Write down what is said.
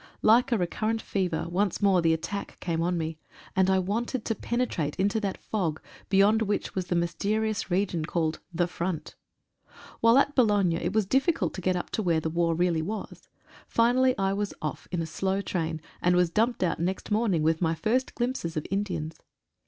Like a recurrent fever, once more the attack came on me, and I wanted to penetrate into that fog, beyond which was the mysterious region called "The Front." While at Boulogne it was difficult to get up to where war really was. Finally I was off in a slow train, and was dumped out next morning with my first glimpses of Indians.